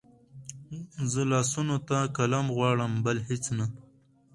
زه لاسونو ته قلم غواړم بل هېڅ نه